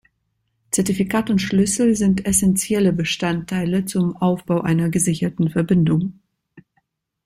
Zertifikat und Schlüssel sind essentielle Bestandteile zum Aufbau einer gesicherten Verbindung.